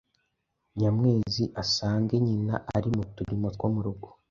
Nyamwezi asange nyina ari mu turimo two mu rugo.